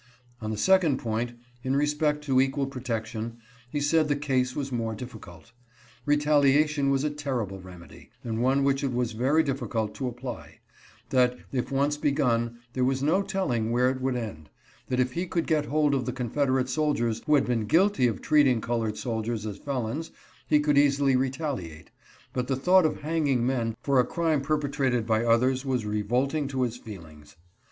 On the second point, in respect to equal pro tection, he said the case was more difficult. Retaliation was a terrible remedy, and one which it was very difficult to apply; that, if once begun, there was no telling where it would end ; that if he could get hold of the Con federate soldiers who had been guilty of treating colored soldiers as felons he could easily retaliate, but the thought 424 SECRETARY STANTON. of hanging men for a crime perpetrated by others was re volting to his feelings.